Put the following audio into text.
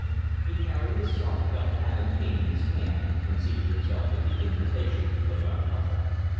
He carried his soft felt hat and cane in his hand, and seated himself at the invitation of Van Huffel.